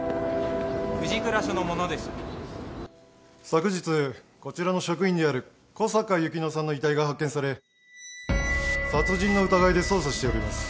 昨日こちらの職員である小坂由希乃さんの遺体が発見され殺人の疑いで捜査しております。